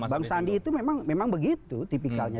bang sandi itu memang begitu tipikalnya